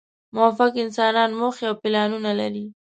موفق انسانان موخې او پلانونه لري.